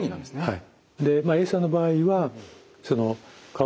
はい。